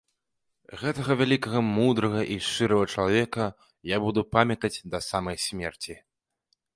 Гэтага вялікага, мудрага і шчырага чалавека я буду памятаць да самай смерці.